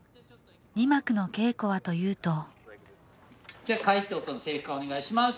二幕の稽古はというとじゃ海人くんセリフお願いします。